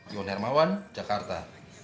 yon hermawan jakarta